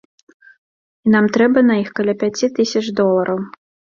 І нам трэба на іх каля пяці тысяч долараў.